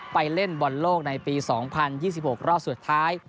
ไปเล่นบอลโลกในปี๒๐๒๖รอบสุดท้าย